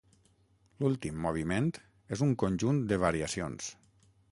L'últim moviment és un conjunt de variacions.